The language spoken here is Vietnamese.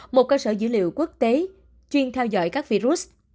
một cơ sở dữ liệu quốc tế chuyên theo dõi các virus